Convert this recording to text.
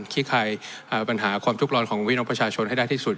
คี่คายปัญหาความจุบร้อนของวินองค์ประชาชนให้ได้ที่สุด